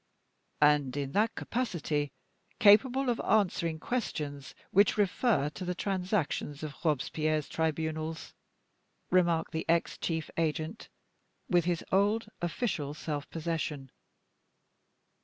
"And in that capacity capable of answering questions which refer to the transactions of Robespierre's tribunals," remarked the ex chief agent, with his old official self possession.